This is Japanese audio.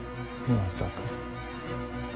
⁉まさか。